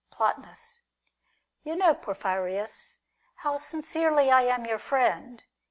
Plotinus. You know, Porphyrias, liow sincerely I am your friend.